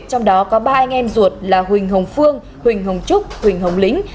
trong đó có ba anh em ruột là huỳnh hồng phương huỳnh hồng trúc huỳnh hồng lĩnh